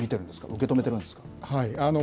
受け止めてるんですか。